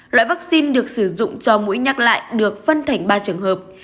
loại vaccine được sử dụng cho mũi nhắc lại được phân thành ba trường hợp